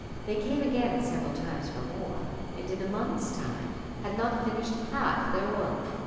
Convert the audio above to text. They came again several times for more, and in a month's time had not finished half their work.